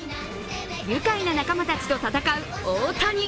愉快な仲間たちと戦う大谷。